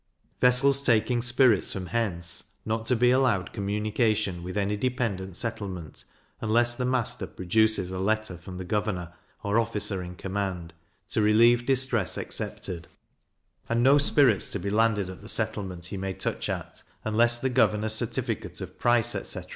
Vessels taking spirits from hence, not to be allowed communication with any dependent settlement, unless the master produces a letter from the governor, or officer in command (to relieve distress excepted); and no spirits to be landed at the settlement he may touch at, unless the governor's certificate of price, etc.